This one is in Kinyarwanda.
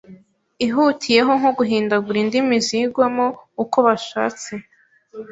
ihutiyeho nko guhindagura indimi zigwamo uko bashatse,